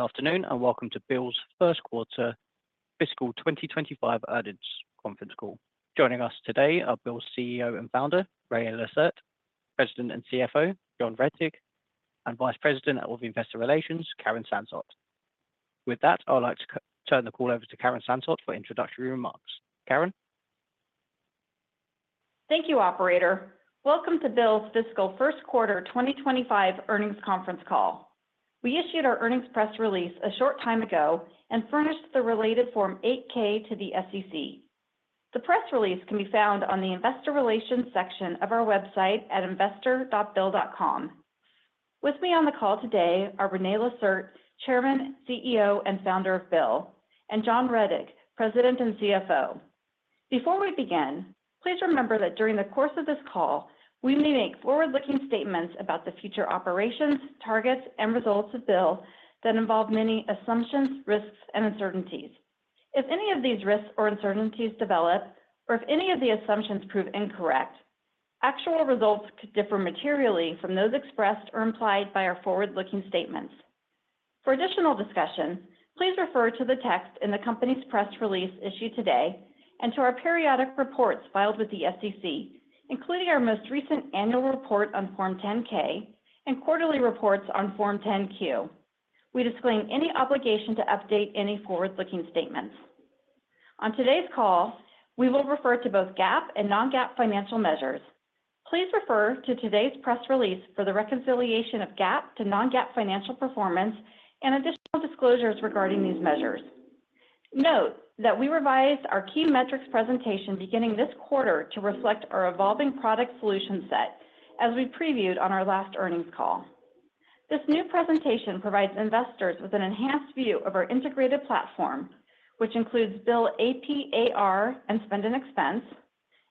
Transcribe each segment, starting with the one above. Good afternoon and welcome to Bill's First Quarter Fiscal 2025 Earnings Conference Call. Joining us today are Bill's CEO and founder, René Lacerte, President and CFO, John Rettig, and Vice President of Investor Relations, Karen Sansot. With that, I'd like to turn the call over to Karen Sansot for introductory remarks. Karen? Thank you, Operator. Welcome to Bill's Fiscal First Quarter 2025 Earnings Conference Call. We issued our earnings press release a short time ago and furnished the related Form 8-K to the SEC. The press release can be found on the Investor Relations section of our website at investor.bill.com. With me on the call today are René Lacerte, Chairman, CEO, and founder of Bill, and John Rettig, President and CFO. Before we begin, please remember that during the course of this call, we may make forward-looking statements about the future operations, targets, and results of Bill that involve many assumptions, risks, and uncertainties. If any of these risks or uncertainties develop, or if any of the assumptions prove incorrect, actual results could differ materially from those expressed or implied by our forward-looking statements. For additional discussion, please refer to the text in the company's press release issued today and to our periodic reports filed with the SEC, including our most recent annual report on Form 10-K and quarterly reports on Form 10-Q. We disclaim any obligation to update any forward-looking statements. On today's call, we will refer to both GAAP and non-GAAP financial measures. Please refer to today's press release for the reconciliation of GAAP to non-GAAP financial performance and additional disclosures regarding these measures. Note that we revised our key metrics presentation beginning this quarter to reflect our evolving product solution set, as we previewed on our last earnings call. This new presentation provides investors with an enhanced view of our integrated platform, which includes Bill AP/AR and Spend & Expense,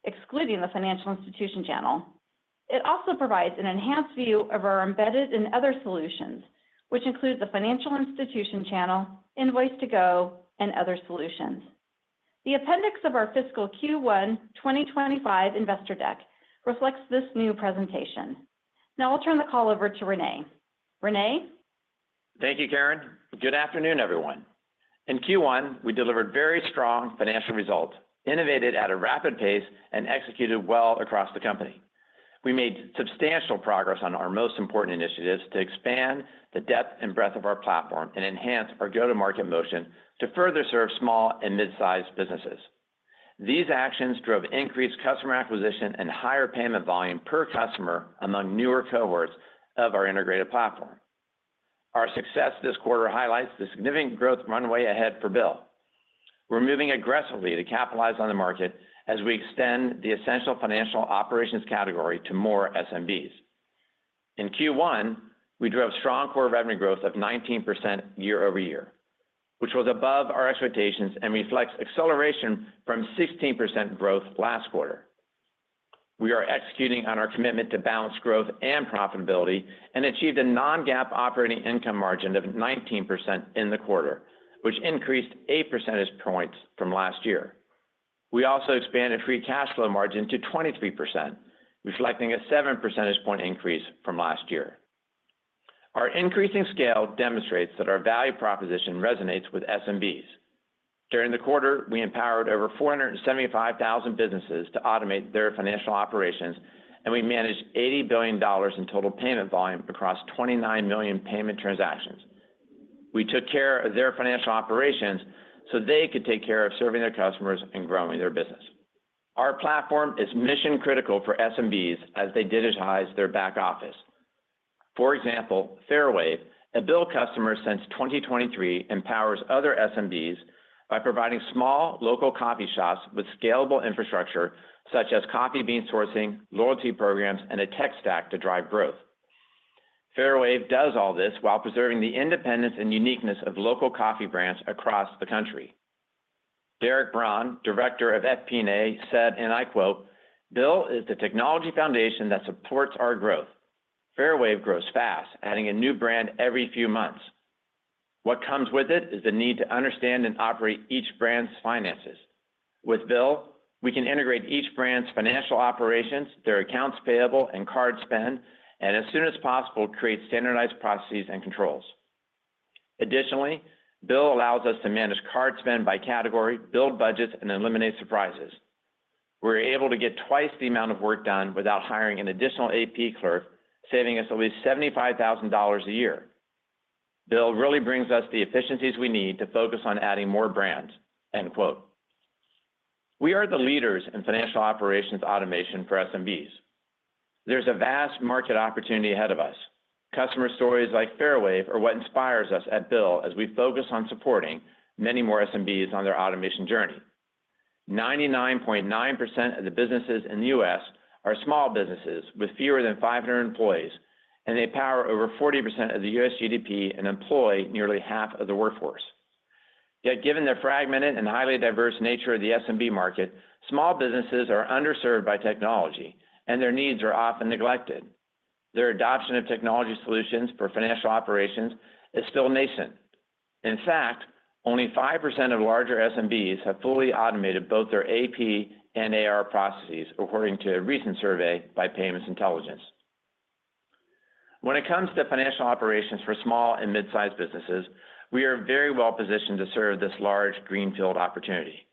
excluding the financial institution channel. It also provides an enhanced view of our embedded and other solutions, which includes the financial institution channel, Invoice2go, and other solutions. The appendix of our Fiscal Q1 2025 Investor Deck reflects this new presentation. Now I'll turn the call over to René. René? Thank you, Karen. Good afternoon, everyone. In Q1, we delivered very strong financial results, innovated at a rapid pace, and executed well across the company. We made substantial progress on our most important initiatives to expand the depth and breadth of our platform and enhance our go-to-market motion to further serve small and mid-sized businesses. These actions drove increased customer acquisition and higher payment volume per customer among newer cohorts of our integrated platform. Our success this quarter highlights the significant growth runway ahead for Bill, moving aggressively to capitalize on the market as we extend the essential financial operations category to more SMBs. In Q1, we drove strong core revenue growth of 19% year-over-year, which was above our expectations and reflects acceleration from 16% growth last quarter. We are executing on our commitment to balance growth and profitability and achieved a Non-GAAP operating income margin of 19% in the quarter, which increased 8 percentage points from last year. We also expanded free cash flow margin to 23%, reflecting a 7 percentage point increase from last year. Our increasing scale demonstrates that our value proposition resonates with SMBs. During the quarter, we empowered over 475,000 businesses to automate their financial operations, and we managed $80 billion in total payment volume across 29 million payment transactions. We took care of their financial operations so they could take care of serving their customers and growing their business. Our platform is mission-critical for SMBs as they digitize their back office. For example, Fairwave, a Bill customer since 2023, empowers other SMBs by providing small local coffee shops with scalable infrastructure such as coffee bean sourcing, loyalty programs, and a tech stack to drive growth. Fairwave does all this while preserving the independence and uniqueness of local coffee brands across the country. Derek Braun, Director of FP&A, said, and I quote, "Bill is the technology foundation that supports our growth. Fairwave grows fast, adding a new brand every few months. What comes with it is the need to understand and operate each brand's finances. With Bill, we can integrate each brand's financial operations, their accounts payable, and card spend, and as soon as possible, create standardized processes and controls. Additionally, Bill allows us to manage card spend by category, build budgets, and eliminate surprises. We're able to get twice the amount of work done without hiring an additional AP clerk, saving us at least $75,000 a year. Bill really brings us the efficiencies we need to focus on adding more brands." We are the leaders in financial operations automation for SMBs. There's a vast market opportunity ahead of us. Customer stories like Fairwave are what inspires us at Bill as we focus on supporting many more SMBs on their automation journey. 99.9% of the businesses in the U.S. are small businesses with fewer than 500 employees, and they power over 40% of the U.S. GDP and employ nearly half of the workforce. Yet, given the fragmented and highly diverse nature of the SMB market, small businesses are underserved by technology, and their needs are often neglected. Their adoption of technology solutions for financial operations is still nascent. In fact, only 5% of larger SMBs have fully automated both their AP and AR processes, according to a recent survey by PYMNTS Intelligence. When it comes to financial operations for small and mid-sized businesses, we are very well positioned to serve this large greenfield opportunity.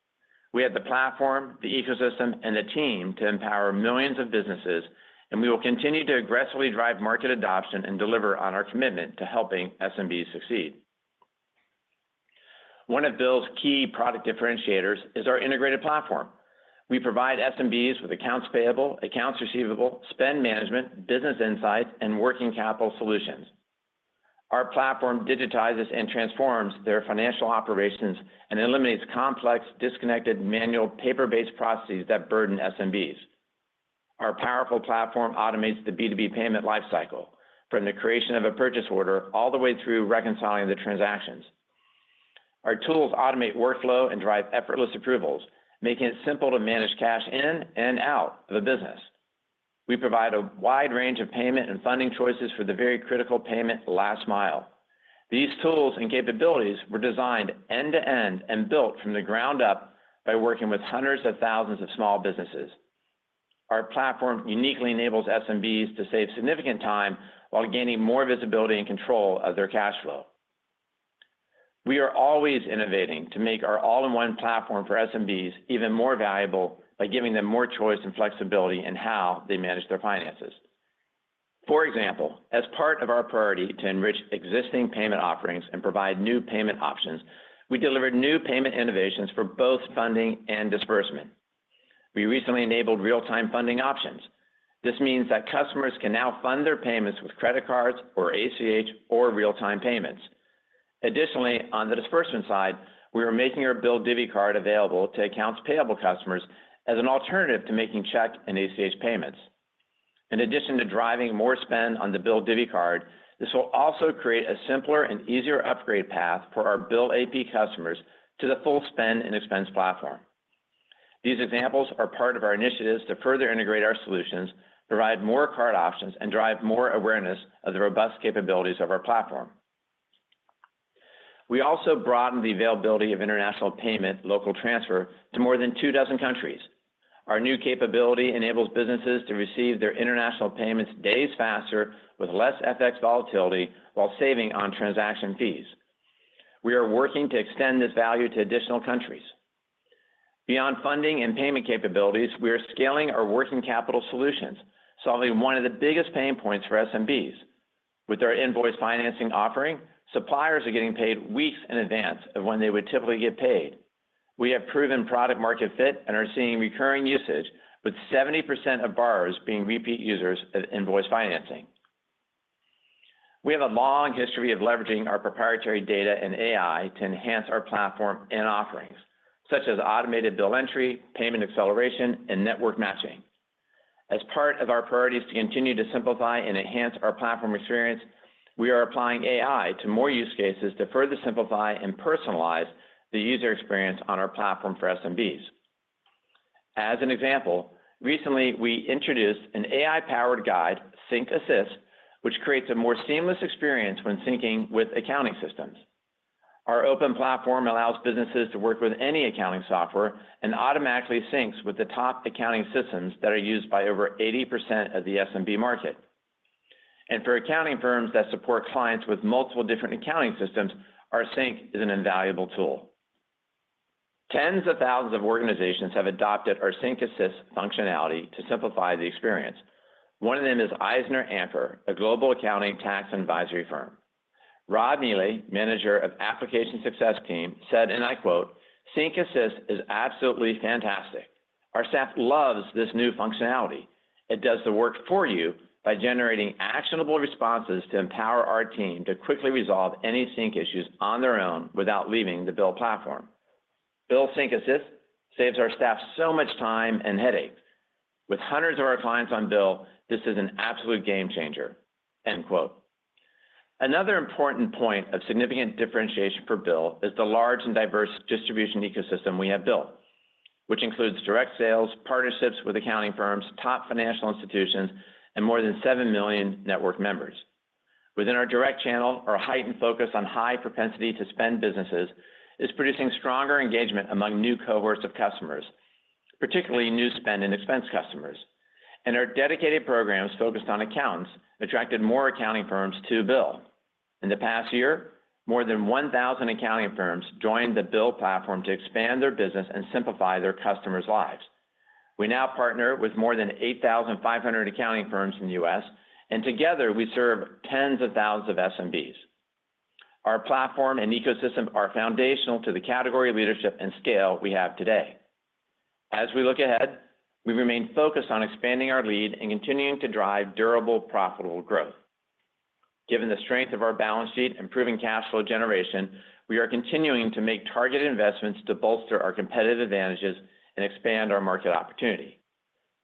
We have the platform, the ecosystem, and the team to empower millions of businesses, and we will continue to aggressively drive market adoption and deliver on our commitment to helping SMBs succeed. One of Bill's key product differentiators is our integrated platform. We provide SMBs with accounts payable, accounts receivable, spend management, business insights, and working capital solutions. Our platform digitizes and transforms their financial operations and eliminates complex, disconnected, manual, paper-based processes that burden SMBs. Our powerful platform automates the B2B payment lifecycle, from the creation of a purchase order all the way through reconciling the transactions. Our tools automate workflow and drive effortless approvals, making it simple to manage cash in and out of a business. We provide a wide range of payment and funding choices for the very critical payment last mile. These tools and capabilities were designed end-to-end and built from the ground up by working with hundreds of thousands of small businesses. Our platform uniquely enables SMBs to save significant time while gaining more visibility and control of their cash flow. We are always innovating to make our all-in-one platform for SMBs even more valuable by giving them more choice and flexibility in how they manage their finances. For example, as part of our priority to enrich existing payment offerings and provide new payment options, we delivered new payment innovations for both funding and disbursement. We recently enabled real-time funding options. This means that customers can now fund their payments with credit cards or ACH or real-time payments. Additionally, on the disbursement side, we are making our Bill Divvy Card available to accounts payable customers as an alternative to making check and ACH payments. In addition to driving more spend on the Bill Divvy Card, this will also create a simpler and easier upgrade path for our Bill AP customers to the full Spend & Expense platform. These examples are part of our initiatives to further integrate our solutions, provide more card options, and drive more awareness of the robust capabilities of our platform. We also broadened the availability of international payment local transfer to more than two dozen countries. Our new capability enables businesses to receive their international payments days faster with less FX volatility while saving on transaction fees. We are working to extend this value to additional countries. Beyond funding and payment capabilities, we are scaling our working capital solutions, solving one of the biggest pain points for SMBs. With our invoice financing offering, suppliers are getting paid weeks in advance of when they would typically get paid. We have proven product market fit and are seeing recurring usage, with 70% of borrowers being repeat users of invoice financing. We have a long history of leveraging our proprietary data and AI to enhance our platform and offerings, such as automated bill entry, payment acceleration, and network matching. As part of our priorities to continue to simplify and enhance our platform experience, we are applying AI to more use cases to further simplify and personalize the user experience on our platform for SMBs. As an example, recently we introduced an AI-powered guide, Sync Assist, which creates a more seamless experience when syncing with accounting systems. Our open platform allows businesses to work with any accounting software and automatically syncs with the top accounting systems that are used by over 80% of the SMB market. And for accounting firms that support clients with multiple different accounting systems, our sync is an invaluable tool. Tens of thousands of organizations have adopted our Sync Assist functionality to simplify the experience. One of them is EisnerAmper, a global accounting tax advisory firm. Rod Nealy, Manager of Application Success Team, said, and I quote, "Sync Assist is absolutely fantastic. Our staff loves this new functionality. It does the work for you by generating actionable responses to empower our team to quickly resolve any sync issues on their own without leaving the Bill platform. Bill Sync Assist saves our staff so much time and headaches. With hundreds of our clients on Bill, this is an absolute game changer." End quote. Another important point of significant differentiation for Bill is the large and diverse distribution ecosystem we have built, which includes direct sales, partnerships with accounting firms, top financial institutions, and more than seven million network members. Within our direct channel, our heightened focus on high propensity to spend businesses is producing stronger engagement among new cohorts of customers, particularly new Spend & Expense customers, and our dedicated programs focused on accounts attracted more accounting firms to Bill. In the past year, more than 1,000 accounting firms joined the Bill platform to expand their business and simplify their customers' lives. We now partner with more than 8,500 accounting firms in the U.S., and together we serve tens of thousands of SMBs. Our platform and ecosystem are foundational to the category leadership and scale we have today. As we look ahead, we remain focused on expanding our lead and continuing to drive durable, profitable growth. Given the strength of our balance sheet and improving cash flow generation, we are continuing to make targeted investments to bolster our competitive advantages and expand our market opportunity.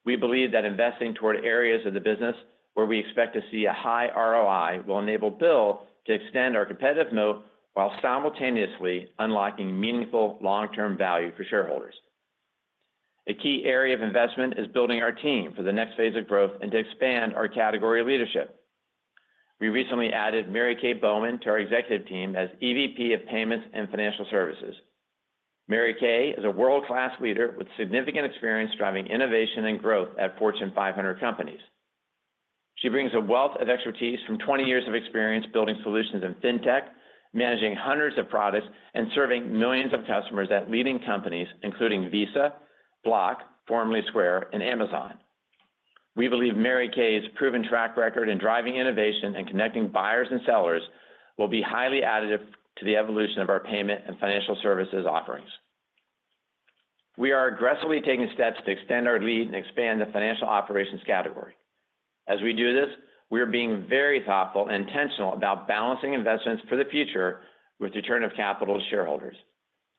We believe that investing toward areas of the business where we expect to see a high ROI will enable Bill to extend our competitive moat while simultaneously unlocking meaningful long-term value for shareholders. A key area of investment is building our team for the next phase of growth and to expand our category leadership. We recently added Mary Kay Bowman to our executive team as EVP of Payments and Financial Services. Mary Kay is a world-class leader with significant experience driving innovation and growth at Fortune 500 companies. She brings a wealth of expertise from 20 years of experience building solutions in fintech, managing hundreds of products, and serving millions of customers at leading companies, including Visa, Block, formerly Square, and Amazon. We believe Mary Kay's proven track record in driving innovation and connecting buyers and sellers will be highly additive to the evolution of our payment and financial services offerings. We are aggressively taking steps to extend our lead and expand the financial operations category. As we do this, we are being very thoughtful and intentional about balancing investments for the future with return of capital to shareholders.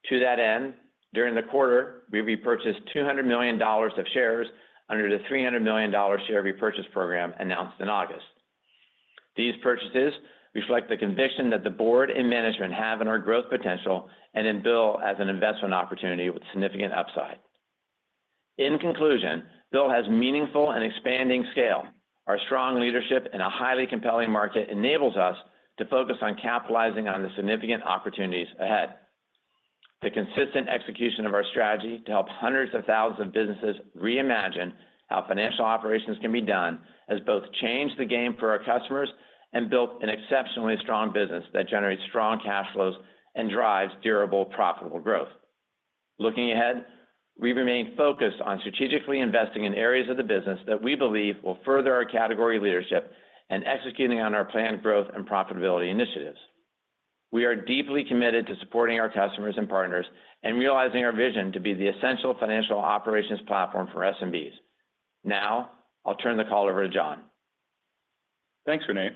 To that end, during the quarter, we repurchased $200 million of shares under the $300 million share repurchase program announced in August. These purchases reflect the conviction that the board and management have in our growth potential and in Bill as an investment opportunity with significant upside. In conclusion, Bill has meaningful and expanding scale. Our strong leadership and a highly compelling market enables us to focus on capitalizing on the significant opportunities ahead. The consistent execution of our strategy to help hundreds of thousands of businesses reimagine how financial operations can be done has both changed the game for our customers and built an exceptionally strong business that generates strong cash flows and drives durable, profitable growth. Looking ahead, we remain focused on strategically investing in areas of the business that we believe will further our category leadership and executing on our planned growth and profitability initiatives. We are deeply committed to supporting our customers and partners and realizing our vision to be the essential financial operations platform for SMBs. Now, I'll turn the call over to John. Thanks, René.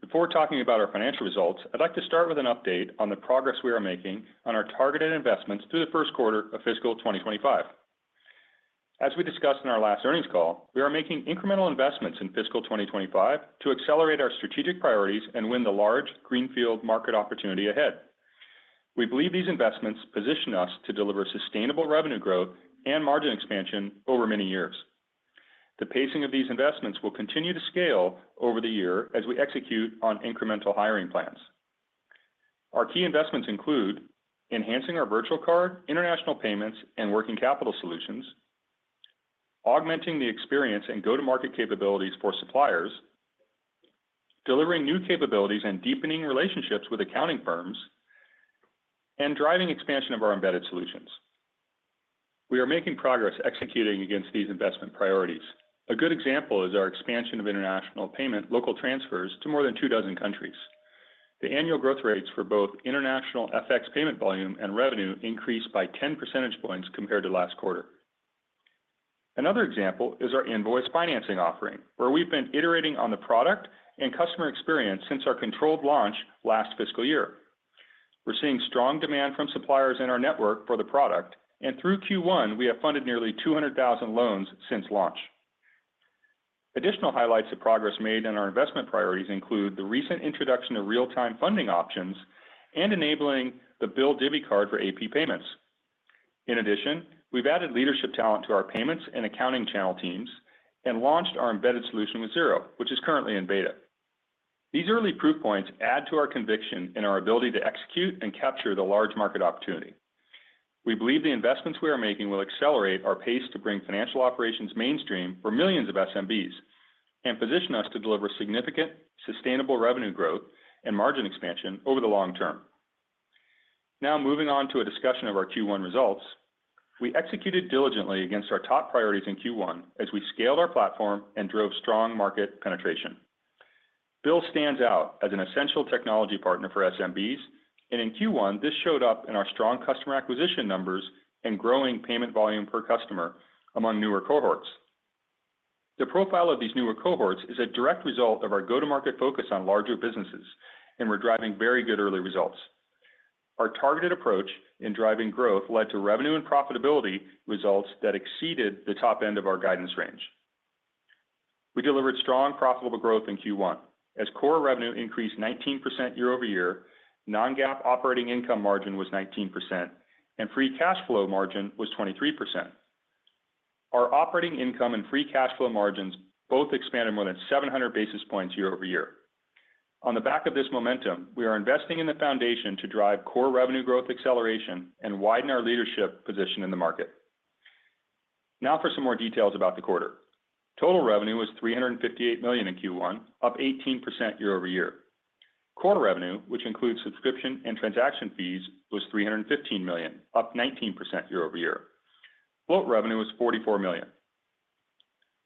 Before talking about our financial results, I'd like to start with an update on the progress we are making on our targeted investments through the first quarter of fiscal 2025. As we discussed in our last earnings call, we are making incremental investments in fiscal 2025 to accelerate our strategic priorities and win the large greenfield market opportunity ahead. We believe these investments position us to deliver sustainable revenue growth and margin expansion over many years. The pacing of these investments will continue to scale over the year as we execute on incremental hiring plans. Our key investments include enhancing our virtual card, international payments, and working capital solutions, augmenting the experience and go-to-market capabilities for suppliers, delivering new capabilities and deepening relationships with accounting firms, and driving expansion of our embedded solutions. We are making progress executing against these investment priorities. A good example is our expansion of international payment local transfers to more than two dozen countries. The annual growth rates for both international FX payment volume and revenue increased by 10 percentage points compared to last quarter. Another example is our invoice financing offering, where we've been iterating on the product and customer experience since our controlled launch last fiscal year. We're seeing strong demand from suppliers in our network for the product, and through Q1, we have funded nearly 200,000 loans since launch. Additional highlights of progress made in our investment priorities include the recent introduction of real-time funding options and enabling the Bill Divvy Card for AP payments. In addition, we've added leadership talent to our payments and accounting channel teams and launched our embedded solution with Xero, which is currently in beta. These early proof points add to our conviction in our ability to execute and capture the large market opportunity. We believe the investments we are making will accelerate our pace to bring financial operations mainstream for millions of SMBs and position us to deliver significant sustainable revenue growth and margin expansion over the long term. Now, moving on to a discussion of our Q1 results, we executed diligently against our top priorities in Q1 as we scaled our platform and drove strong market penetration. Bill stands out as an essential technology partner for SMBs, and in Q1, this showed up in our strong customer acquisition numbers and growing payment volume per customer among newer cohorts. The profile of these newer cohorts is a direct result of our go-to-market focus on larger businesses, and we're driving very good early results. Our targeted approach in driving growth led to revenue and profitability results that exceeded the top end of our guidance range. We delivered strong, profitable growth in Q1 as core revenue increased 19% year-over-year, non-GAAP operating income margin was 19%, and free cash flow margin was 23%. Our operating income and free cash flow margins both expanded more than 700 basis points year-over-year. On the back of this momentum, we are investing in the foundation to drive core revenue growth acceleration and widen our leadership position in the market. Now for some more details about the quarter. Total revenue was $358 million in Q1, up 18% year-over-year. Core revenue, which includes subscription and transaction fees, was $315 million, up 19% year-over-year. Float revenue was $44 million.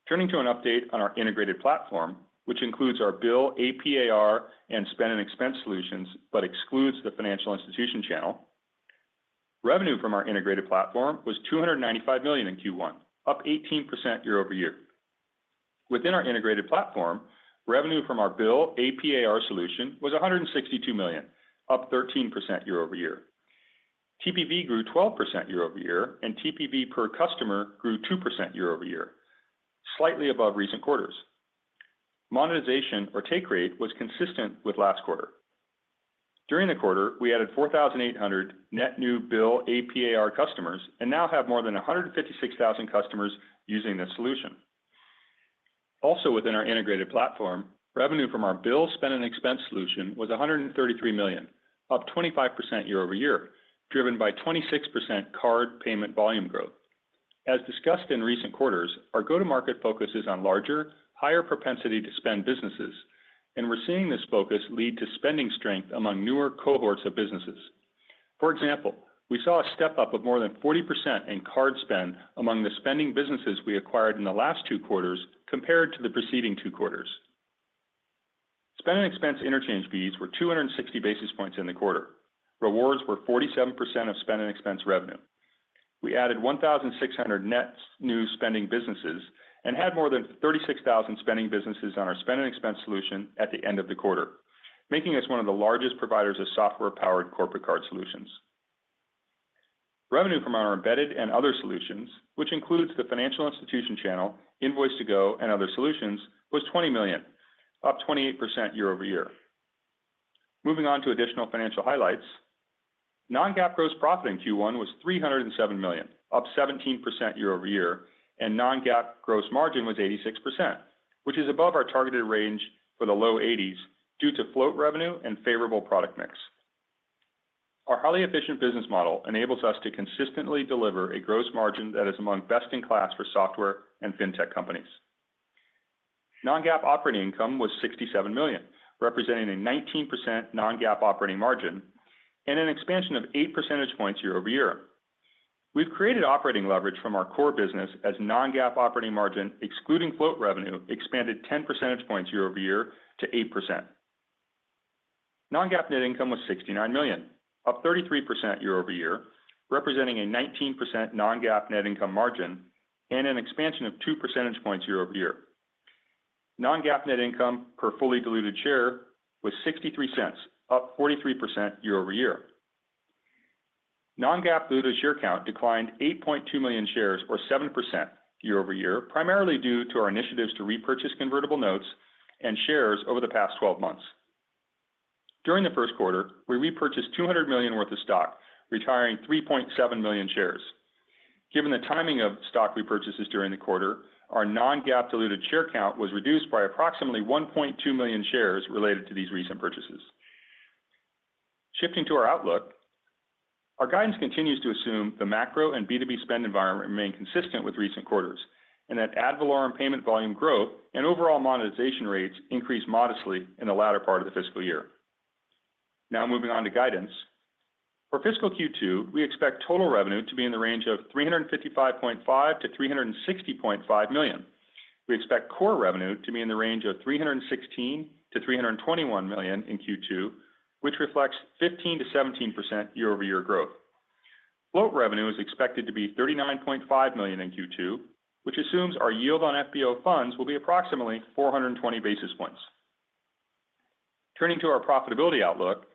Turning to an update on our integrated platform, which includes our Bill AP/AR and Spend & Expense solutions, but excludes the financial institution channel, revenue from our integrated platform was $295 million in Q1, up 18% year-over-year. Within our integrated platform, revenue from our Bill AP/AR solution was $162 million, up 13% year-over-year. TPV grew 12% year-over-year, and TPV per customer grew 2% year-over-year, slightly above recent quarters. Monetization or take rate was consistent with last quarter. During the quarter, we added 4,800 net new Bill AP/AR customers and now have more than 156,000 customers using this solution. Also, within our integrated platform, revenue from our Bill Spend & Expense solution was $133 million, up 25% year-over-year, driven by 26% card payment volume growth. As discussed in recent quarters, our go-to-market focus is on larger, higher propensity to spend businesses, and we're seeing this focus lead to spending strength among newer cohorts of businesses. For example, we saw a step up of more than 40% in card spend among the spending businesses we acquired in the last two quarters compared to the preceding two quarters. Spend & Expense interchange fees were 260 basis points in the quarter. Rewards were 47% of Spend & Expense revenue. We added 1,600 net new spending businesses and had more than 36,000 spending businesses on our Spend & Expense solution at the end of the quarter, making us one of the largest providers of software-powered corporate card solutions. Revenue from our embedded and other solutions, which includes the financial institution channel, Invoice2go, and other solutions, was $20 million, up 28% year-over-year. Moving on to additional financial highlights, Non-GAAP gross profit in Q1 was $307 million, up 17% year-over-year, and Non-GAAP gross margin was 86%, which is above our targeted range for the low 80s due to float revenue and favorable product mix. Our highly efficient business model enables us to consistently deliver a gross margin that is among best in class for software and fintech companies. Non-GAAP operating income was $67 million, representing a 19% Non-GAAP operating margin and an expansion of 8 percentage points year-over-year. We've created operating leverage from our core business as Non-GAAP operating margin, excluding float revenue, expanded 10 percentage points year-over-year to 8%. Non-GAAP net income was $69 million, up 33% year-over-year, representing a 19% Non-GAAP net income margin and an expansion of 2 percentage points year-over-year. Non-GAAP net income per fully diluted share was $0.63, up 43% year-over-year. Non-GAAP diluted share count declined 8.2 million shares, or 7% year-over-year, primarily due to our initiatives to repurchase convertible notes and shares over the past 12 months. During the first quarter, we repurchased $200 million worth of stock, retiring 3.7 million shares. Given the timing of stock repurchases during the quarter, our non-GAAP diluted share count was reduced by approximately 1.2 million shares related to these recent purchases. Shifting to our outlook, our guidance continues to assume the macro and B2B spend environment remain consistent with recent quarters and that ad valorem payment volume growth and overall monetization rates increased modestly in the latter part of the fiscal year. Now, moving on to guidance. For fiscal Q2, we expect total revenue to be in the range of $355.5 million-$360.5 million. We expect core revenue to be in the range of $316 million-$321 million in Q2, which reflects 15%-17% year-over-year growth. Float revenue is expected to be $39.5 million in Q2, which assumes our yield on FBO funds will be approximately 420 basis points. Turning to our profitability outlook,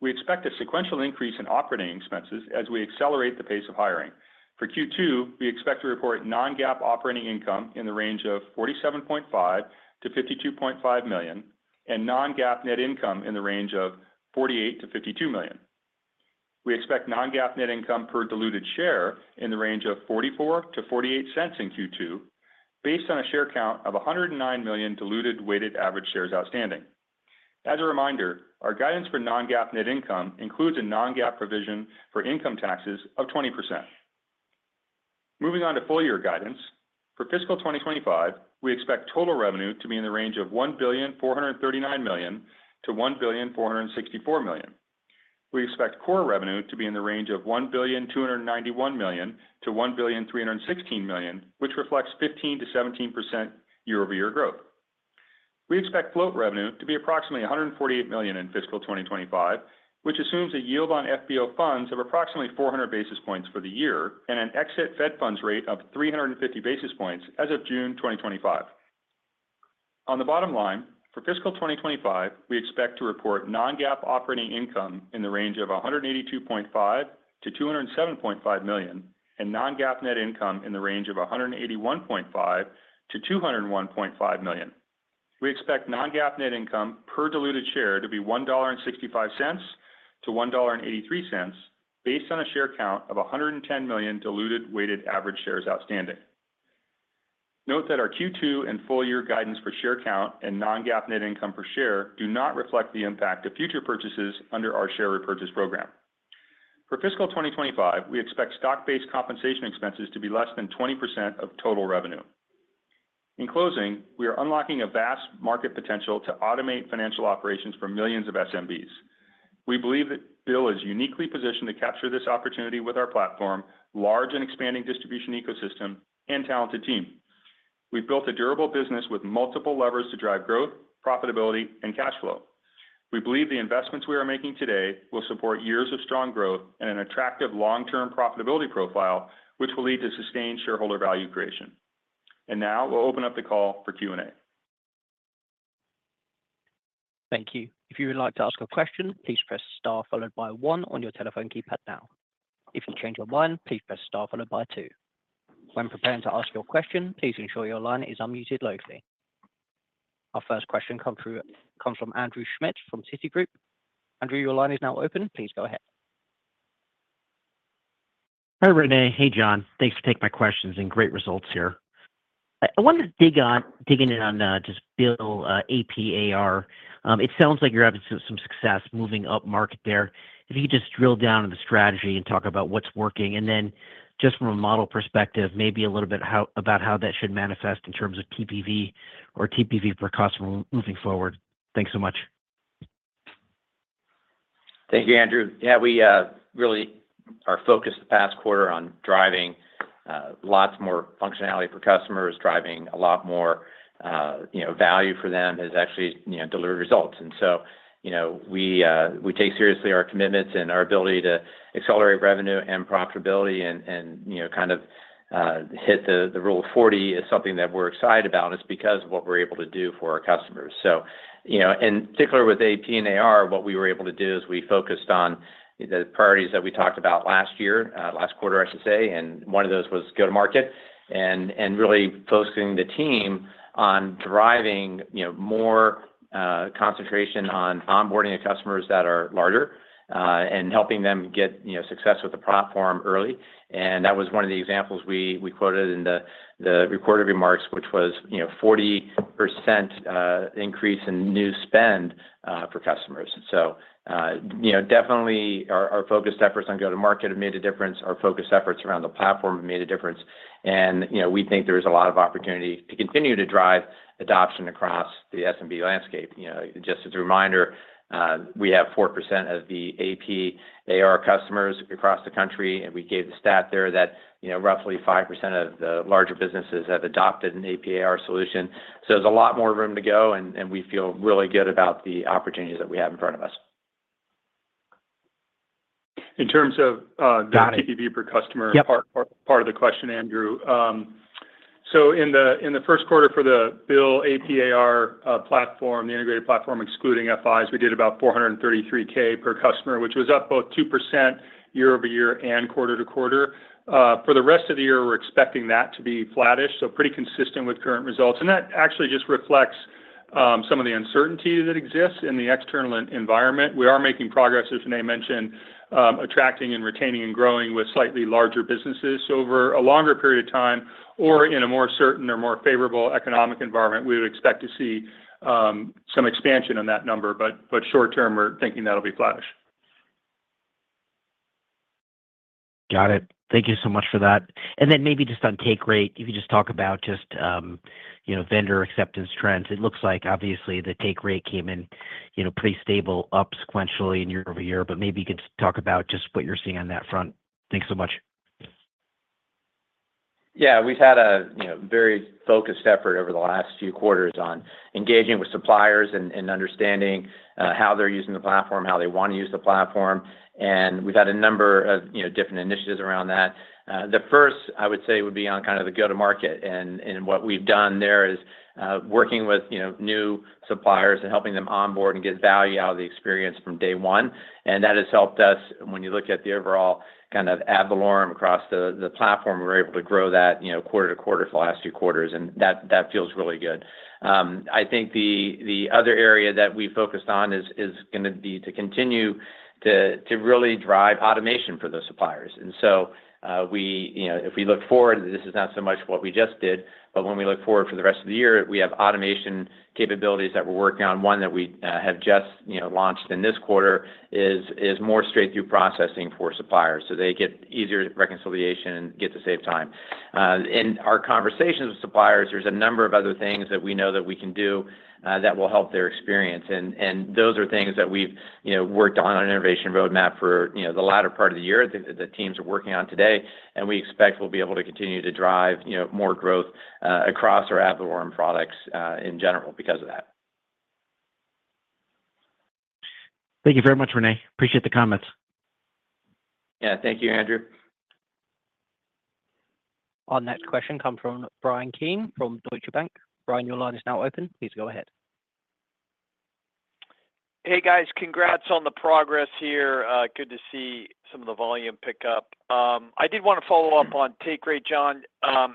we expect a sequential increase in operating expenses as we accelerate the pace of hiring. For Q2, we expect to report non-GAAP operating income in the range of $47.5 million-$52.5 million and non-GAAP net income in the range of $48 million-$52 million. We expect non-GAAP net income per diluted share in the range of $0.44-$0.48 in Q2, based on a share count of 109 million diluted weighted average shares outstanding. As a reminder, our guidance for non-GAAP net income includes a non-GAAP provision for income taxes of 20%. Moving on to full year guidance. For fiscal 2025, we expect total revenue to be in the range of $1,439 million-$1,464 million. We expect core revenue to be in the range of $1,291 million-$1,316 million, which reflects 15%-17% year-over-year growth. We expect float revenue to be approximately $148 million in fiscal 2025, which assumes a yield on FBO funds of approximately 400 basis points for the year and an exit Fed funds rate of 350 basis points as of June 2025. On the bottom line, for fiscal 2025, we expect to report non-GAAP operating income in the range of $182.5 million-$207.5 million and non-GAAP net income in the range of $181.5 million-$201.5 million. We expect non-GAAP net income per diluted share to be $1.65-$1.83 based on a share count of 110 million diluted weighted average shares outstanding. Note that our Q2 and full year guidance for share count and non-GAAP net income per share do not reflect the impact of future purchases under our share repurchase program. For fiscal 2025, we expect stock-based compensation expenses to be less than 20% of total revenue. In closing, we are unlocking a vast market potential to automate financial operations for millions of SMBs. We believe that Bill is uniquely positioned to capture this opportunity with our platform, large and expanding distribution ecosystem, and talented team. We've built a durable business with multiple levers to drive growth, profitability, and cash flow. We believe the investments we are making today will support years of strong growth and an attractive long-term profitability profile, which will lead to sustained shareholder value creation. And now we'll open up the call for Q&A. Thank you. If you would like to ask a question, please press star followed by one on your telephone keypad now. If you change your mind, please press star followed by two. When preparing to ask your question, please ensure your line is unmuted locally. Our first question comes from Andrew Schmidt from Citigroup. Andrew, your line is now open. Please go ahead. Hi, René. Hey, John. Thanks for taking my questions and great results here. I wanted to dig in on just Bill AP/AR. It sounds like you're having some success moving up market there. If you could just drill down on the strategy and talk about what's working, and then just from a model perspective, maybe a little bit about how that should manifest in terms of TPV or TPV per customer moving forward. Thanks so much. Thank you, Andrew. Yeah, we really are focused the past quarter on driving lots more functionality for customers, driving a lot more value for them as actually delivered results, and so we take seriously our commitments and our ability to accelerate revenue and profitability and kind of hit the Rule of 40, something that we're excited about. It's because of what we're able to do for our customers, so in particular with AP and AR, what we were able to do is we focused on the priorities that we talked about last year, last quarter, I should say, and one of those was go-to-market and really focusing the team on driving more concentration on onboarding of customers that are larger and helping them get success with the platform early. That was one of the examples we quoted in the prepared remarks, which was a 40% increase in new spend for customers. Definitely our focused efforts on go-to-market have made a difference. Our focused efforts around the platform have made a difference. We think there is a lot of opportunity to continue to drive adoption across the SMB landscape. Just as a reminder, we have 4% of the AP/AR customers across the country, and we gave the stat there that roughly 5% of the larger businesses have adopted an AP/AR solution. There's a lot more room to go, and we feel really good about the opportunities that we have in front of us. In terms of the TPV per customer part of the question, Andrew, so in the first quarter for the Bill AP/AR platform, the integrated platform excluding FIs, we did about 433K per customer, which was up both 2% year-over-year and quarter to quarter. For the rest of the year, we're expecting that to be flattish, so pretty consistent with current results, and that actually just reflects some of the uncertainty that exists in the external environment. We are making progress, as René mentioned, attracting and retaining and growing with slightly larger businesses. So over a longer period of time or in a more certain or more favorable economic environment, we would expect to see some expansion on that number, but short term, we're thi nking that'll be flattish. Got it. Thank you so much for that. And then maybe just on take rate, if you could just talk about just vendor acceptance trends. It looks like, obviously, the take rate came in pretty stable, up sequentially year-over-year, but maybe you could talk about just what you're seeing on that front. Thanks so much. Yeah, we've had a very focused effort over the last few quarters on engaging with suppliers and understanding how they're using the platform, how they want to use the platform. And we've had a number of different initiatives around that. The first, I would say, would be on kind of the go-to-market. And what we've done there is working with new suppliers and helping them onboard and get value out of the experience from day one. And that has helped us. When you look at the overall kind of ad valorem across the platform, we were able to grow that quarter to quarter for the last few quarters, and that feels really good. I think the other area that we focused on is going to be to continue to really drive automation for those suppliers, and so if we look forward, this is not so much what we just did, but when we look forward for the rest of the year, we have automation capabilities that we're working on. One that we have just launched in this quarter is more straight-through processing for suppliers so they get easier reconciliation and get to save time. In our conversations with suppliers, there's a number of other things that we know that we can do that will help their experience. And those are things that we've worked on an innovation roadmap for the latter part of the year that the teams are working on today. And we expect we'll be able to continue to drive more growth across our ad valorem products in general because of that. Thank you very much, René. Appreciate the comments. Yeah, thank you, Andrew. Our next question comes from Bryan Keane from Deutsche Bank. Bryan, your line is now open. Please go ahead. Hey, guys. Congrats on the progress here. Good to see some of the volume pick up. I did want to follow up on take rate, John.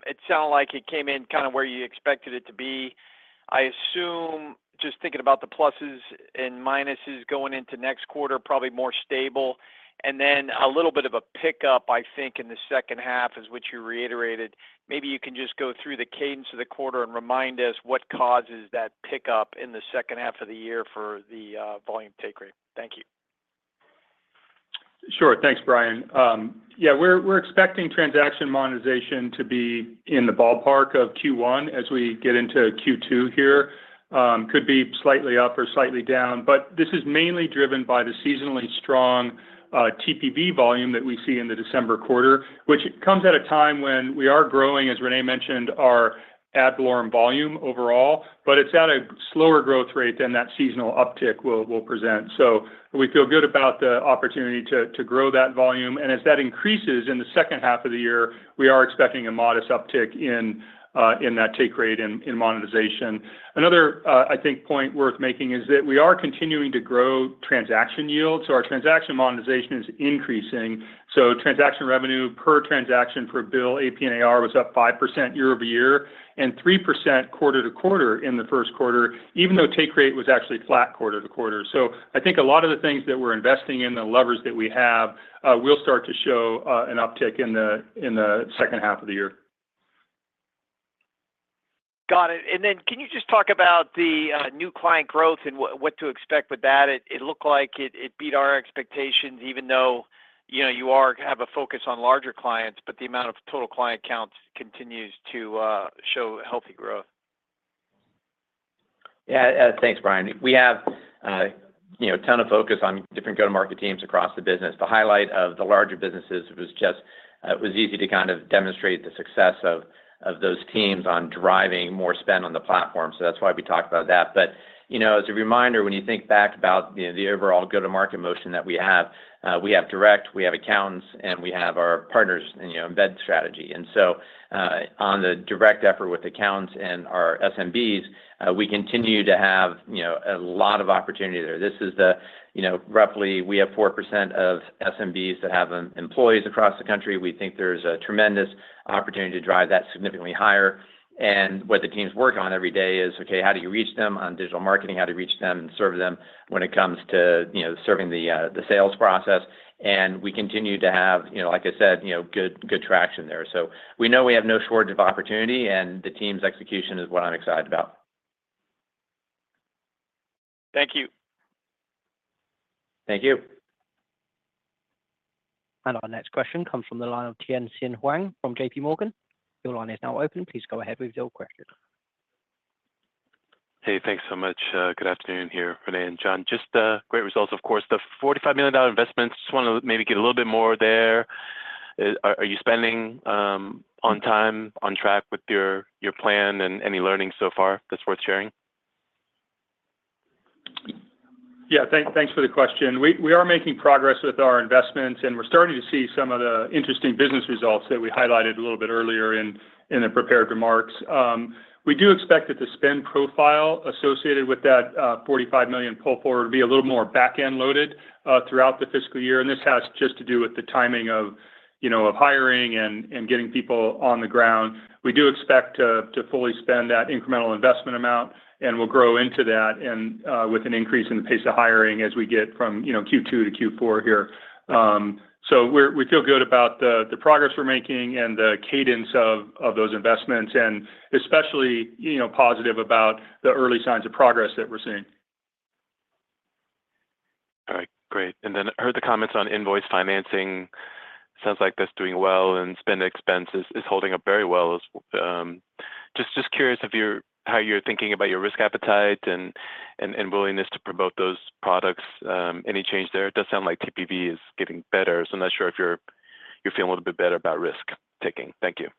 It sounded like it came in kind of where you expected it to be. I assume, just thinking about the pluses and minuses going into next quarter, probably more stable. And then a little bit of a pick up, I think, in the second half, is what you reiterated. Maybe you can just go through the cadence of the quarter and remind us what causes that pick up in the second half of the year for the volume take rate. Thank you. Sure. Thanks, Bryan. Yeah, we're expecting transaction monetization to be in the ballpark of Q1 as we get into Q2 here. Could be slightly up or slightly down. But this is mainly driven by the seasonally strong TPV volume that we see in the December quarter, which comes at a time when we are growing, as René mentioned, our ad valorem volume overall, but it's at a slower growth rate than that seasonal uptick will present. So we feel good about the opportunity to grow that volume. And as that increases in the second half of the year, we are expecting a modest uptick in that take rate and monetization. Another, I think, point worth making is that we are continuing to grow transaction yield. So our transaction monetization is increasing. So transaction revenue per transaction for BILL AP and AR was up 5% year-over-year and 3% quarter to quarter in the first quarter, even though take rate was actually flat quarter to quarter. So I think a lot of the things that we're investing in, the levers that we have, will start to show an uptick in the second half of the year. Got it. And then can you just talk about the new client growth and what to expect with that? It looked like it beat our expectations, even though you have a focus on larger clients, but the amount of total client counts continues to show healthy growth. Yeah, thanks, Bryan. We have a ton of focus on different go-to-market teams across the business. The highlight of the larger businesses was just it was easy to kind of demonstrate the success of those teams on driving more spend on the platform. So that's why we talked about that. But as a reminder, when you think back about the overall go-to-market motion that we have, we have direct, we have accounts, and we have our partners and embedded strategy. And so on the direct effort with accounts and our SMBs, we continue to have a lot of opportunity there. This is roughly we have 4% of SMBs that have employees across the country. We think there's a tremendous opportunity to drive that significantly higher, and what the teams work on every day is, okay, how do you reach them on digital marketing? How do you reach them and serve them when it comes to serving the sales process, and we continue to have, like I said, good traction there. So we know we have no shortage of opportunity, and the team's execution is what I'm excited about. Thank you. Thank you. And our next question comes from the line of Tien-tsin Huang from J.P. Morgan. Your line is now open. Please go ahead with your question. Hey, thanks so much. Good afternoon here, René and John. Just great results, of course. The $45 million investments, just want to maybe get a little bit more there. Are you spending on time, on track with your plan and any learnings so far that's worth sharing? Yeah, thanks for the question. We are making progress with our investments, and we're starting to see some of the interesting business results that we highlighted a little bit earlier in the prepared remarks. We do expect that the spend profile associated with that $45 million pull forward will be a little more back-end loaded throughout the fiscal year. And this has just to do with the timing of hiring and getting people on the ground. We do expect to fully spend that incremental investment amount, and we'll grow into that with an increase in the pace of hiring as we get from Q2 to Q4 here. So we feel good about the progress we're making and the cadence of those investments, and especially positive about the early signs of progress that we're seeing. All right, great. And then I heard the comments on invoice financing. Sounds like that's doing well, and spend expense is holding up very well. Just curious how you're thinking about your risk appetite and willingness to promote those products. Any change there? It does sound like TPV is getting better. So I'm not sure if you're feeling a little bit better about risk taking. Thank you.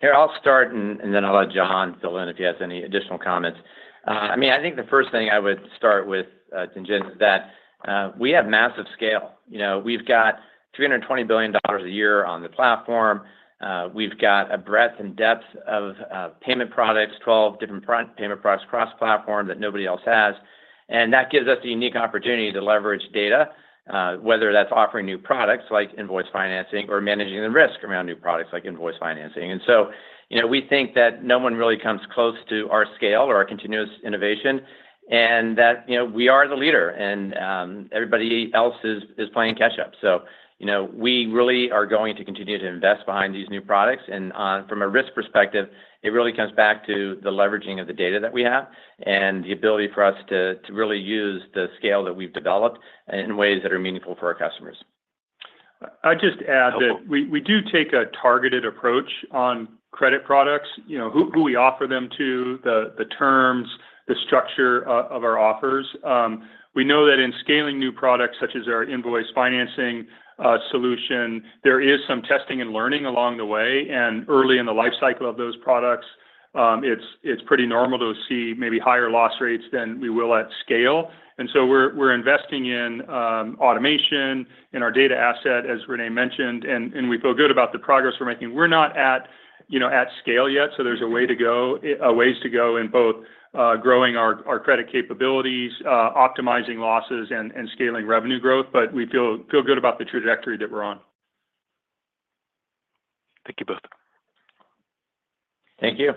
Here, I'll start, and then I'll let John fill in if he has any additional comments. I mean, I think the first thing I would start with, Tianxin, is that we have massive scale. We've got $320 billion a year on the platform. We've got a breadth and depth of payment products, 12 different payment products cross-platform that nobody else has. And that gives us a unique opportunity to leverage data, whether that's offering new products like invoice financing or managing the risk around new products like invoice financing. And so we think that no one really comes close to our scale or our continuous innovation, and that we are the leader, and everybody else is playing catch-up. So we really are going to continue to invest behind these new products. And from a risk perspective, it really comes back to the leveraging of the data that we have and the ability for us to really use the scale that we've developed in ways that are meaningful for our customers. I'd just add that we do take a targeted approach on credit products, who we offer them to, the terms, the structure of our offers. We know that in scaling new products such as our invoice financing solution, there is some testing and learning along the way. And early in the life cycle of those products, it's pretty normal to see maybe higher loss rates than we will at scale. And so we're investing in automation in our data asset, as René mentioned, and we feel good about the progress we're making. We're not at scale yet, so there's a way to go, ways to go in both growing our credit capabilities, optimizing losses, and scaling revenue growth, but we feel good about the trajectory that we're on. Thank you both. Thank you.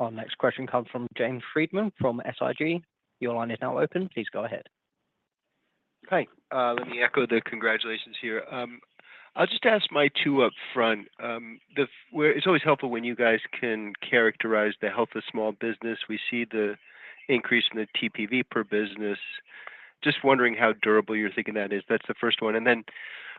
Our next question comes from James Friedman from SIG. Your line is now open. Please go ahead. Hi. Let me echo the congratulations here. I'll just ask my two up front. It's always helpful when you guys can characterize the health of small business. We see the increase in the TPV per business. Just wondering how durable you're thinking that is. That's the first one. And then,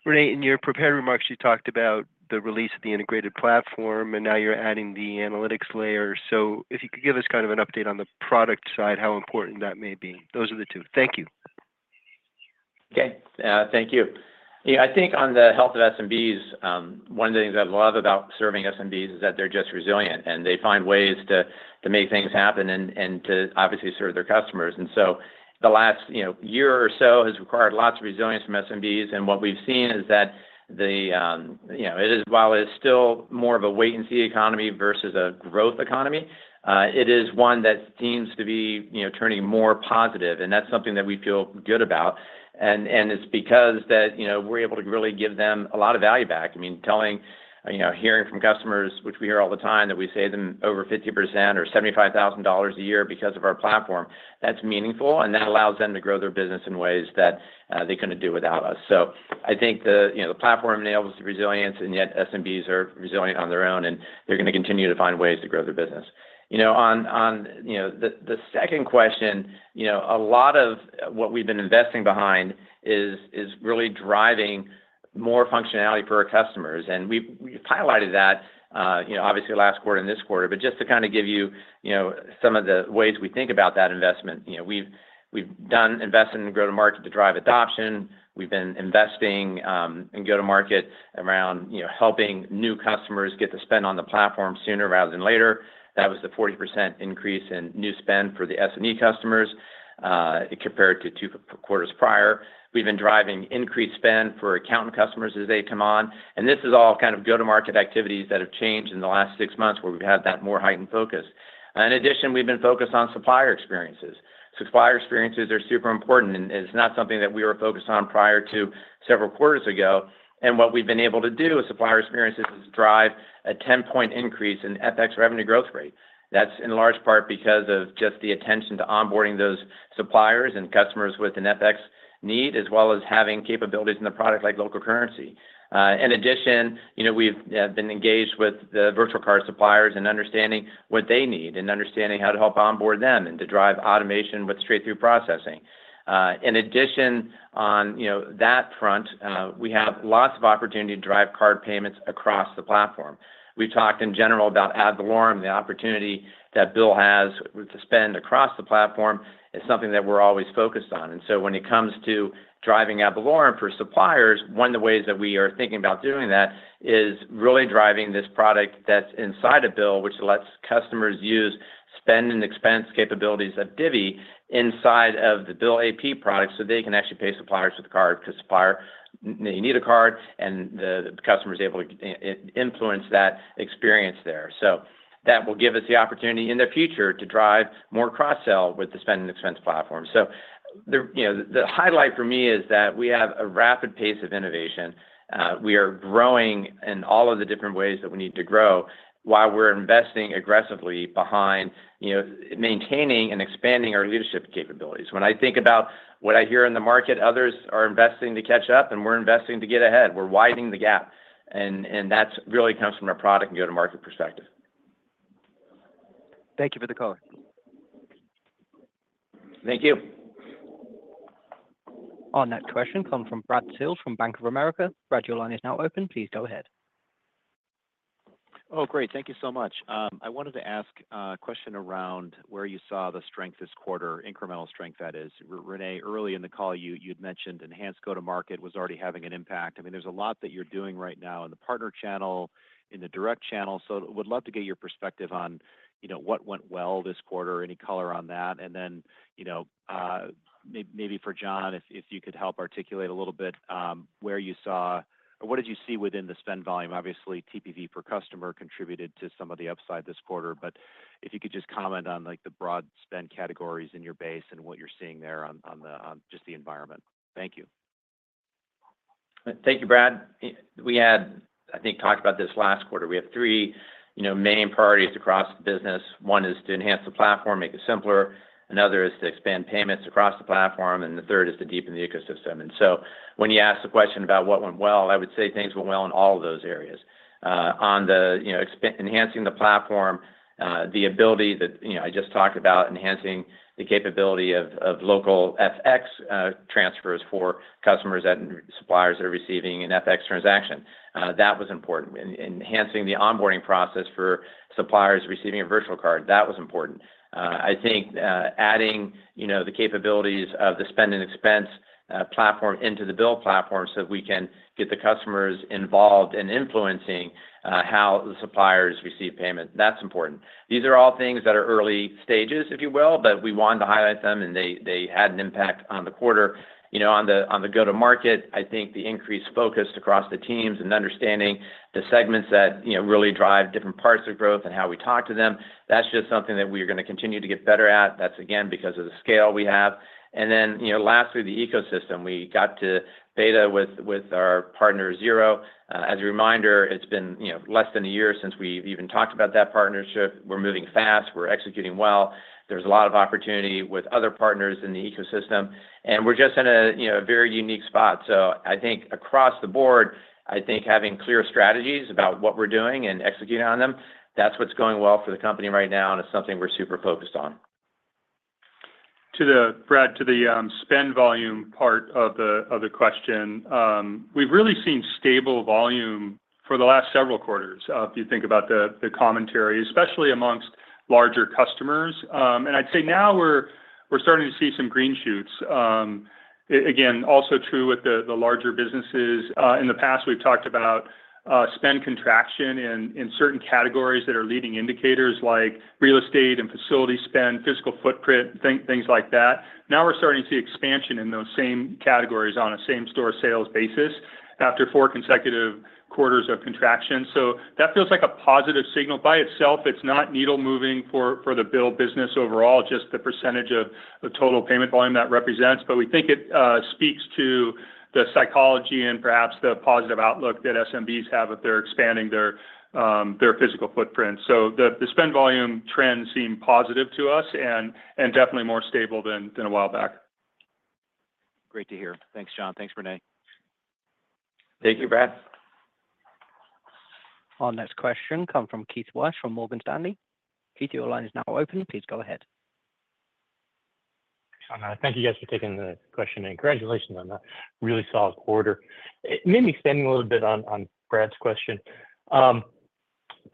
René, in your prepared remarks, you talked about the release of the integrated platform, and now you're adding the analytics layer. So if you could give us kind of an update on the product side, how important that may be. Those are the two. Thank you. Okay. Thank you. I think on the health of SMBs, one of the things I love about serving SMBs is that they're just resilient, and they find ways to make things happen and to obviously serve their customers. And so the last year or so has required lots of resilience from SMBs. And what we've seen is that it is, while it is still more of a wait-and-see economy versus a growth economy, it is one that seems to be turning more positive. And that's something that we feel good about. And it's because that we're able to really give them a lot of value back. I mean, hearing from customers, which we hear all the time, that we save them over 50% or $75,000 a year because of our platform, that's meaningful, and that allows them to grow their business in ways that they couldn't do without us. So I think the platform enables the resilience, and yet SMBs are resilient on their own, and they're going to continue to find ways to grow their business. On the second question, a lot of what we've been investing behind is really driving more functionality for our customers. And we've highlighted that, obviously, last quarter and this quarter. But just to kind of give you some of the ways we think about that investment, we've done investment in go-to-market to drive adoption. We've been investing in go-to-market around helping new customers get to spend on the platform sooner rather than later. That was the 40% increase in new spend for the SME customers compared to two quarters prior. We've been driving increased spend for accountant customers as they come on, and this is all kind of go-to-market activities that have changed in the last six months where we've had that more heightened focus. In addition, we've been focused on supplier experiences. Supplier experiences are super important, and it's not something that we were focused on prior to several quarters ago, and what we've been able to do with supplier experiences is drive a 10-point increase in FX revenue growth rate. That's in large part because of just the attention to onboarding those suppliers and customers with an FX need, as well as having capabilities in the product like local currency. In addition, we've been engaged with the virtual card suppliers and understanding what they need and understanding how to help onboard them and to drive automation with straight-through processing. In addition, on that front, we have lots of opportunity to drive card payments across the platform. We've talked in general about ad valorem. The opportunity that Bill has to spend across the platform is something that we're always focused on. So when it comes to driving ad valorem for suppliers, one of the ways that we are thinking about doing that is really driving this product that's inside of Bill, which lets customers use Spend & Expense capabilities of Divvy inside of the Bill AP product so they can actually pay suppliers with a card because suppliers, they need a card, and the customer is able to influence that experience there. So that will give us the opportunity in the future to drive more cross-sell with the Spend & Expense platform. So the highlight for me is that we have a rapid pace of innovation. We are growing in all of the different ways that we need to grow while we're investing aggressively behind maintaining and expanding our leadership capabilities. When I think about what I hear in the market, others are investing to catch up, and we're investing to get ahead. We're widening the gap. And that really comes from a product and go-to-market perspective. Thank you for the color. Thank you. Our next question comes from Brad Sills from Bank of America. Brad, your line is now open. Please go ahead. Oh, great. Thank you so much. I wanted to ask a question around where you saw the strength this quarter, incremental strength, that is. René, early in the call, you'd mentioned enhanced go-to-market was already having an impact. I mean, there's a lot that you're doing right now in the partner channel, in the direct channel. So would love to get your perspective on what went well this quarter, any color on that. And then maybe for John, if you could help articulate a little bit where you saw or what did you see within the spend volume. Obviously, TPV per customer contributed to some of the upside this quarter. But if you could just comment on the broad spend categories in your base and what you're seeing there on just the environment. Thank you. Thank you, Brad. We had, I think, talked about this last quarter. We have three main priorities across the business. One is to enhance the platform, make it simpler. Another is to expand payments across the platform. And the third is to deepen the ecosystem. And so when you ask the question about what went well, I would say things went well in all of those areas. On the enhancing the platform, the ability that I just talked about, enhancing the capability of local FX transfers for customers and suppliers that are receiving an FX transaction, that was important. Enhancing the onboarding process for suppliers receiving a virtual card, that was important. I think adding the capabilities of the Spend & Expense platform into the Bill platform so that we can get the customers involved in influencing how the suppliers receive payment, that's important. These are all things that are early stages, if you will, but we wanted to highlight them, and they had an impact on the quarter. On the go-to-market, I think the increased focus across the teams and understanding the segments that really drive different parts of growth and how we talk to them, that's just something that we are going to continue to get better at. That's, again, because of the scale we have. And then lastly, the ecosystem. We got to beta with our partner Xero. As a reminder, it's been less than a year since we've even talked about that partnership. We're moving fast. We're executing well. There's a lot of opportunity with other partners in the ecosystem. And we're just in a very unique spot. So I think across the board, I think having clear strategies about what we're doing and executing on them, that's what's going well for the company right now, and it's something we're super focused on. Brad, to the spend volume part of the question, we've really seen stable volume for the last several quarters, if you think about the commentary, especially amongst larger customers, and I'd say now we're starting to see some green shoots. Again, also true with the larger businesses. In the past, we've talked about spend contraction in certain categories that are leading indicators like real estate and facility spend, physical footprint, things like that. Now we're starting to see expansion in those same categories on a same-store sales basis after four consecutive quarters of contraction. So that feels like a positive signal by itself. It's not needle-moving for the Bill business overall, just the percentage of total payment volume that represents. But we think it speaks to the psychology and perhaps the positive outlook that SMBs have if they're expanding their physical footprint. So the spend volume trends seem positive to us and definitely more stable than a while back. Great to hear. Thanks, John. Thanks, René. Thank you, Brad. Our next question comes from Keith Weiss from Morgan Stanley. Keith, your line is now open. Please go ahead. Thank you, guys, for taking the question. And congratulations on a really solid quarter. Maybe expanding a little bit on Brad's question.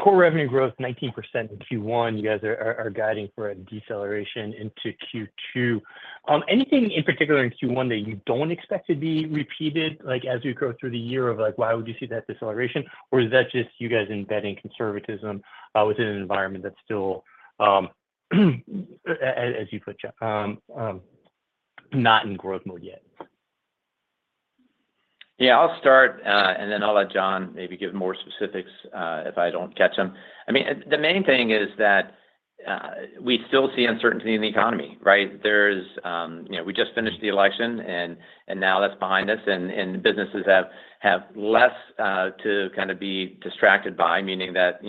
Core revenue growth, 19% in Q1. You guys are guiding for a deceleration into Q2. Anything in particular in Q1 that you don't expect to be repeated as we grow through the year or why would you see that deceleration? Or is that just you guys embedding conservatism within an environment that's still, as you put it, not in growth mode yet? Yeah. I'll start, and then I'll let John maybe give more specifics if I don't catch him. I mean, the main thing is that we still see uncertainty in the economy, right? We just finished the election, and now that's behind us. And businesses have less to kind of be distracted by, meaning that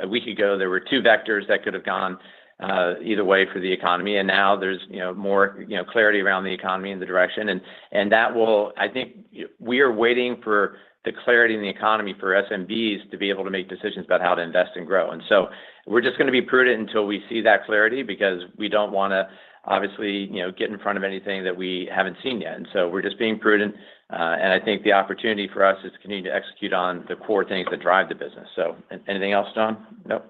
a week ago, there were two vectors that could have gone either way for the economy. And now there's more clarity around the economy and the direction. And that will, I think, we are waiting for the clarity in the economy for SMBs to be able to make decisions about how to invest and grow. And so we're just going to be prudent until we see that clarity because we don't want to, obviously, get in front of anything that we haven't seen yet. And so we're just being prudent. And I think the opportunity for us is to continue to execute on the core things that drive the business. So anything else, John? Nope?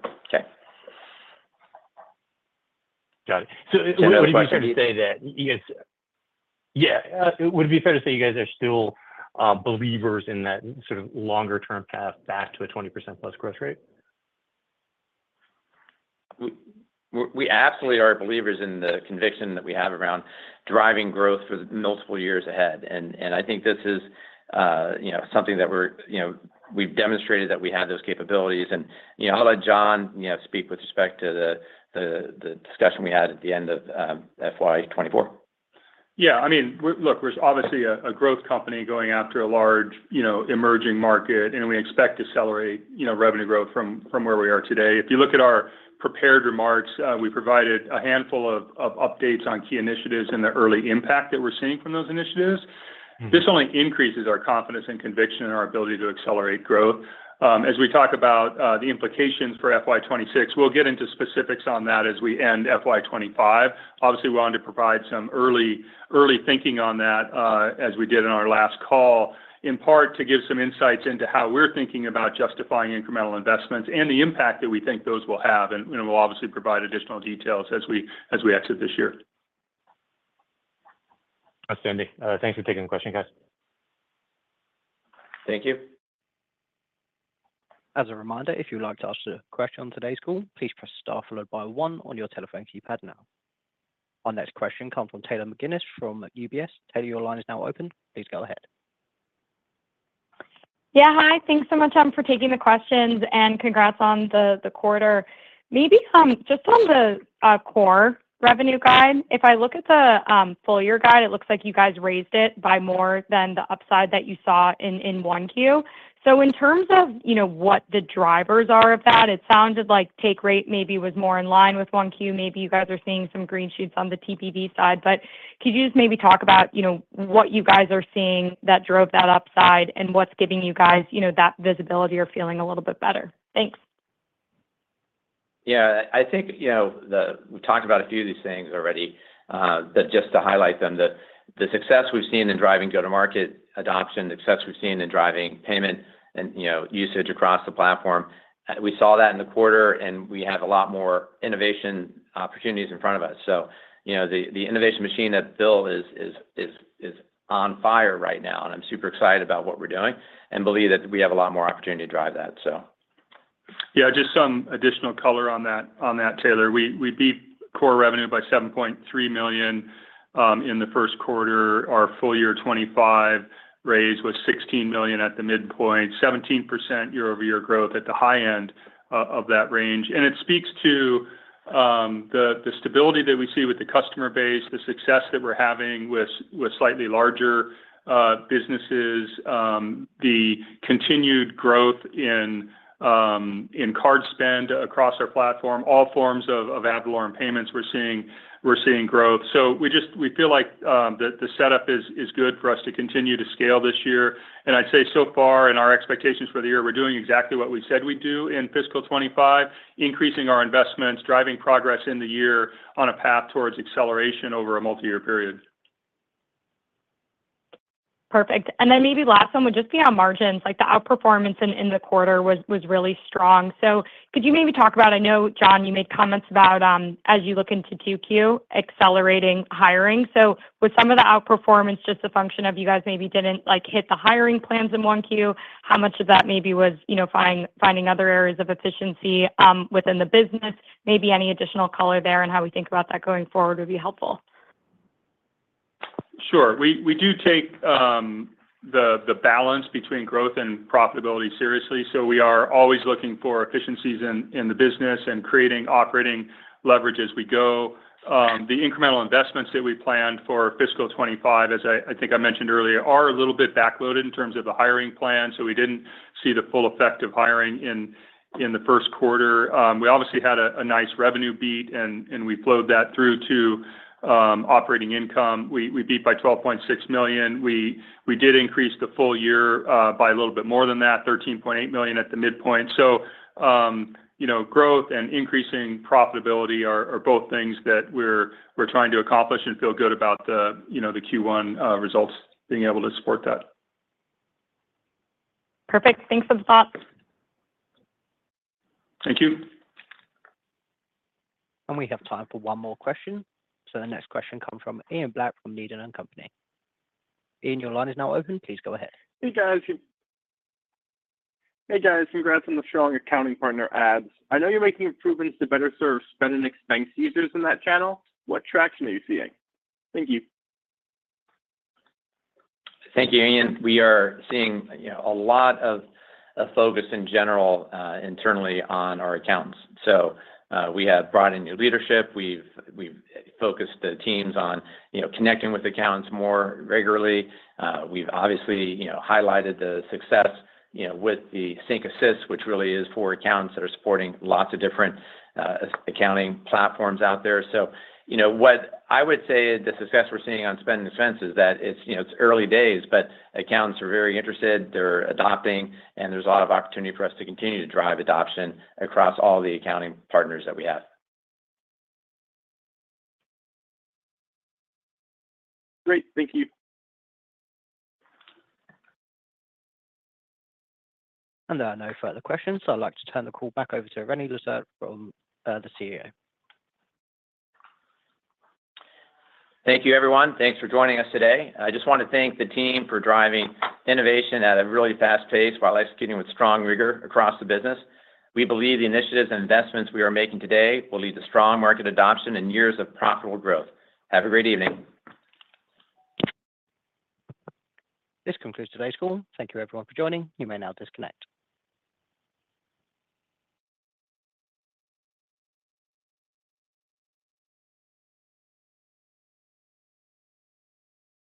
Okay. Got it. Would it be fair to say you guys are still believers in that sort of longer-term path back to a 20% plus growth rate? We absolutely are believers in the conviction that we have around driving growth for multiple years ahead. And I think this is something that we've demonstrated that we have those capabilities. And I'll let John speak with respect to the discussion we had at the end of FY24. Yeah. I mean, look, we're obviously a growth company going after a large emerging market, and we expect to accelerate revenue growth from where we are today. If you look at our prepared remarks, we provided a handful of updates on key initiatives and the early impact that we're seeing from those initiatives. This only increases our confidence and conviction and our ability to accelerate growth. As we talk about the implications for FY26, we'll get into specifics on that as we end FY25. Obviously, we wanted to provide some early thinking on that as we did in our last call, in part to give some insights into how we're thinking about justifying incremental investments and the impact that we think those will have, and we'll obviously provide additional details as we exit this year. That's dandy. Thanks for taking the question, guys. Thank you. As a reminder, if you'd like to ask a question on today's call, please press Star followed by 1 on your telephone keypad now. Our next question comes from Taylor McGinnis from UBS. Taylor, your line is now open. Please go ahead. Yeah. Hi. Thanks so much, Tom, for taking the questions and congrats on the quarter. Maybe just on the core revenue guide, if I look at the full-year guide, it looks like you guys raised it by more than the upside that you saw in Q1. So in terms of what the drivers are of that, it sounded like take rate maybe was more in line with Q1. Maybe you guys are seeing some green shoots on the TPV side. But could you just maybe talk about what you guys are seeing that drove that upside and what's giving you guys that visibility or feeling a little bit better? Thanks. Yeah. I think we've talked about a few of these things already, but just to highlight them, the success we've seen in driving go-to-market adoption, the success we've seen in driving payment and usage across the platform, we saw that in the quarter, and we have a lot more innovation opportunities in front of us. So the innovation machine at Bill is on fire right now, and I'm super excited about what we're doing and believe that we have a lot more opportunity to drive that, so. Yeah. Just some additional color on that, Taylor. We beat core revenue by $7.3 million in the first quarter. Our full-year 2025 raise was $16 million at the midpoint, 17% year-over-year growth at the high end of that range. And it speaks to the stability that we see with the customer base, the success that we're having with slightly larger businesses, the continued growth in card spend across our platform, all forms of ad valorem payments we're seeing growth. So we feel like the setup is good for us to continue to scale this year. And I'd say so far in our expectations for the year, we're doing exactly what we said we'd do in Fiscal 2025, increasing our investments, driving progress in the year on a path towards acceleration over a multi-year period. Perfect. And then maybe last one would just be on margins. The outperformance in the quarter was really strong. So could you maybe talk about, I know, John, you made comments about as you look into Q2 accelerating hiring. So was some of the outperformance just a function of you guys maybe didn't hit the hiring plans in one Q? How much of that maybe was finding other areas of efficiency within the business? Maybe any additional color there and how we think about that going forward would be helpful. Sure. We do take the balance between growth and profitability seriously. So we are always looking for efficiencies in the business and creating operating leverage as we go. The incremental investments that we planned for fiscal 2025, as I think I mentioned earlier, are a little bit backloaded in terms of the hiring plan. So we didn't see the full effect of hiring in the first quarter. We obviously had a nice revenue beat, and we flowed that through to operating income. We beat by $12.6 million. We did increase the full year by a little bit more than that, $13.8 million at the midpoint. So growth and increasing profitability are both things that we're trying to accomplish and feel good about the Q1 results being able to support that. Perfect. Thanks for the thought. Thank you. And we have time for one more question. So the next question comes from Ian Black from Needham & Company. Ian, your line is now open. Please go ahead. Hey, guys. Hey, guys. Congrats on the strong accounting partner adds. I know you're making improvements to better serve Spend & Expense users in that channel. What traction are you seeing? Thank you. Thank you, Ian. We are seeing a lot of focus in general internally on our accounts. So we have brought in new leadership. We've focused the teams on connecting with accounts more regularly. We've obviously highlighted the success with the Sync Assist, which really is for accounts that are supporting lots of different accounting platforms out there. So what I would say is the success we're seeing on Spend & Expense is that it's early days, but accounts are very interested. They're adopting, and there's a lot of opportunity for us to continue to drive adoption across all the accounting partners that we have. Great. Thank you, And there are no further questions. I'd like to turn the call back over to René Lacerte, the CEO. Thank you, everyone. Thanks for joining us today. I just want to thank the team for driving innovation at a really fast pace while executing with strong rigor across the business. We believe the initiatives and investments we are making today will lead to strong market adoption and years of profitable growth. Have a great evening. This concludes today's call. Thank you, everyone, for joining. You may now disconnect.